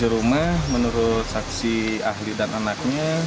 di rumah menurut saksi ahli dan anaknya